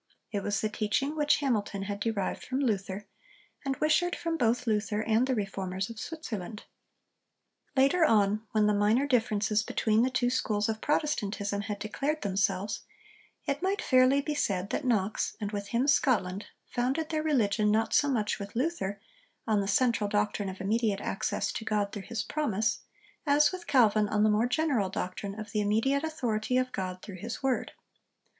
It was the teaching which Hamilton had derived from Luther, and Wishart from both Luther and the Reformers of Switzerland. Later on, when the minor differences between the two schools of Protestantism had declared themselves, it might fairly be said that Knox, and with him Scotland, founded their religion not so much (with Luther) on the central doctrine of immediate access to God through his promise, as (with Calvin) on the more general doctrine of the immediate authority of God through his word.